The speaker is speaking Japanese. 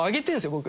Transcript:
僕。